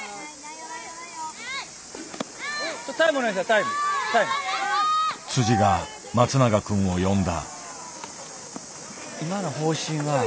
タイムタイム。が松永くんを呼んだ。